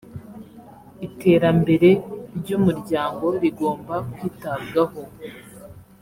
iterambere ry ‘ umuryango rigomba kwitabwaho.